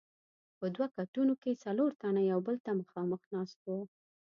په دوو کټونو کې څلور تنه یو بل ته مخامخ ناست وو.